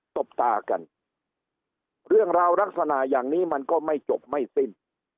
ตบตากันเรื่องราวลักษณะอย่างนี้มันก็ไม่จบไม่สิ้น